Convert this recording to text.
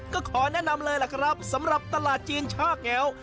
ก็ขอแนะนำเลยล่ะครับสำหรับตลาดจีนชากแง๋ว